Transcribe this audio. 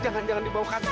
jangan jangan dibawa kantor